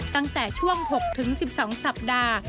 ตั้งแต่ช่วง๖๑๒สัปดาห์